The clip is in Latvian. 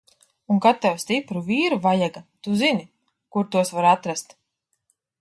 Un kad tev stipru vīru vajaga, tu zini, kur tos var atrast!